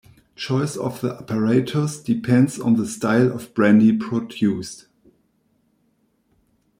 Choice of the apparatus depends on the style of brandy produced.